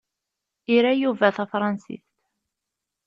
Ira Yuba tafransist.